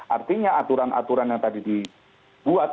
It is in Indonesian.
artinya aturan aturan yang tadi dibuat